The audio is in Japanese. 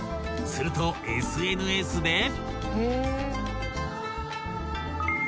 ［するとＳＮＳで］